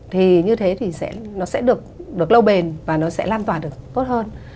thì như thế thì nó sẽ được lâu bền và nó sẽ lan tỏa được tốt hơn